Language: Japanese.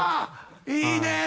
いいね。